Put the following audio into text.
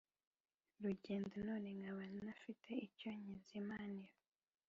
Rugendo none nkaba ntafite icyo nyizimanira